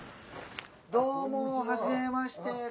どうもはじめまして。